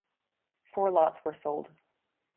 Four lots were sold.